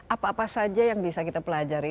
apa apa saja yang bisa kita pelajari